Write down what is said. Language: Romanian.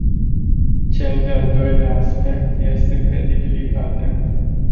Cel de-al doilea aspect este credibilitatea.